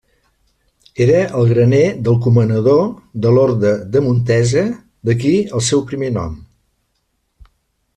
Era el graner del comanador de l'orde de Montesa, d'aquí el seu primer nom.